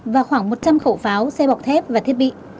và khoảng một trăm linh khẩu pháo xe bọc thép và thiết bị